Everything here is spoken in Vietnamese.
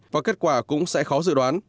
và kết quả cũng sẽ khó dự đoán